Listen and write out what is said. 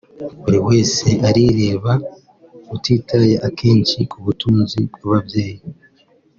buri wese arireba utitaye akenshi ku butunzi bw’ababyeyi